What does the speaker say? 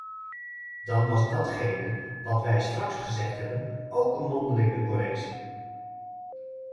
Dan was datgene wat wij straks gezegd hebben ook een mondelinge correctie!